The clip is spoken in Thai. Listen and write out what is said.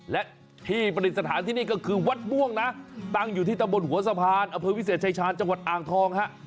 และที่ประดิษฐานที่นี่ก็คือวัดม่วงนะตั้งอยู่ที่ตะบนหัวสะพานอเภอวิเศษชายชาญจังหวัดอ่างทองฮะ